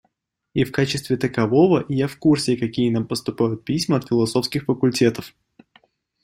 И в качестве такового я в курсе какие нам поступают письма от философских факультетов.